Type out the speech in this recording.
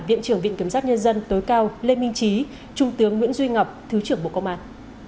viện trưởng viện kiểm sát nhân dân tối cao lê minh trí trung tướng nguyễn duy ngọc thứ trưởng bộ công an